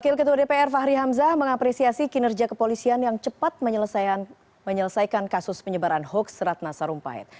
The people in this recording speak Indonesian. wakil ketua dpr fahri hamzah mengapresiasi kinerja kepolisian yang cepat menyelesaikan kasus penyebaran hoax ratna sarumpahit